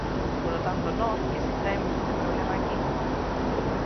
Polo tanto, nós, que si traemos este problema aquí.